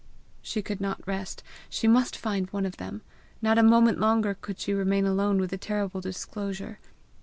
She could not rest; she must find one of them! Not a moment longer could she remain alone with the terrible disclosure.